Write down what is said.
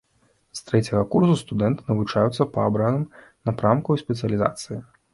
З трэцяга курсу студэнты навучаюцца па абраным напрамку і спецыялізацыі.